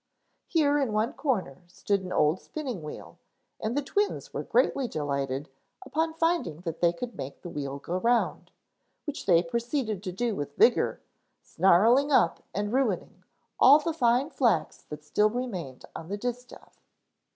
Here in one corner stood an old spinning wheel, and the twins were greatly delighted upon finding that they could make the wheel go round, which they proceeded to do with vigor, snarling up and ruining all the fine flax that still remained on the distaff.